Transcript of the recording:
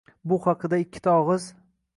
Bu haqda ikkita og'iz